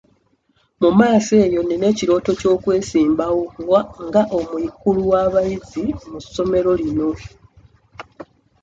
Mu maaso eyo nnina ekirooto ky'okwesimbawo nga omukulu w'abayizi ku ssomero lino.